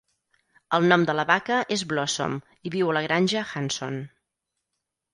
El nom de la vaca és Blosom i viu a la granja Hanson.